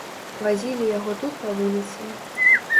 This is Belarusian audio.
Вазілі яго тут па вуліцы.